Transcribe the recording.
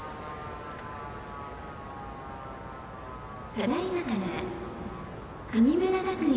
ただいまから神村学園